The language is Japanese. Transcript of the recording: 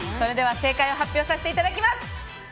正解を発表させていただきます。